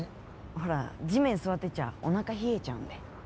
ほら、地面座ってちゃおなか冷えちゃうんで。